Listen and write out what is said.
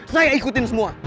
saya ikutin semua